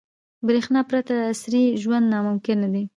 • برېښنا پرته عصري ژوند ناممکن دی.